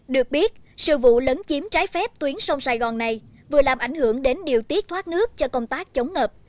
được biết sự vụ lấn chiếm trái phép tuyến sông sài gòn này vừa làm ảnh hưởng đến điều tiết thoát nước cho công tác chống ngập